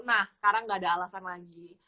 nah sekarang gak ada alasan lagi